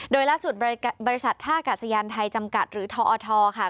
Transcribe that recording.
โดยล่าสุดบริษัทท่ากาศยานไทยจำกัดหรือทอทค่ะ